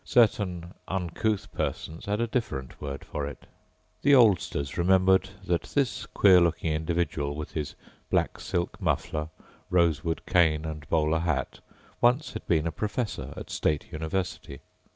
Certain uncouth persons had a different word for it. The oldsters remembered that this queer looking individual with his black silk muffler, rosewood cane and bowler hat once had been a professor at State University.